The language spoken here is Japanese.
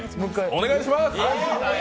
お願いします！